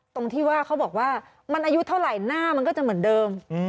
ตรงที่ว่าเขาบอกว่ามันอายุเท่าไหร่หน้ามันก็จะเหมือนเดิม